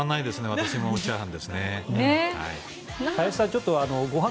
私もチャーハンですね。